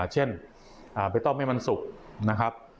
เช่นไปต้มให้มันสุกนะครับ